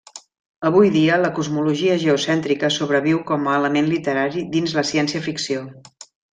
Avui dia, la cosmologia geocèntrica sobreviu com a element literari dins la ciència-ficció.